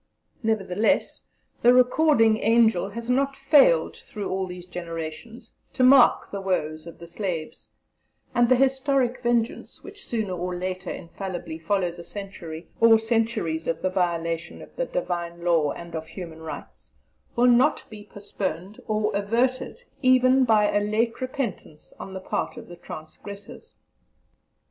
Nevertheless, the Recording Angel has not failed through all these generations to mark the woes of the slaves; and the historic vengeance, which sooner or later infallibly follows a century or centuries of the violation of the Divine Law and of human rights, will not be postponed or averted even by a late repentance on the part of the transgressors.